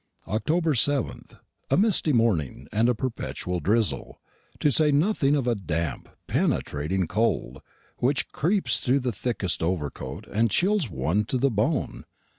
Oct. 7th. A misty morning, and a perpetual drizzle to say nothing of a damp, penetrating cold, which creeps through the thickest overcoat, and chills one to the bone.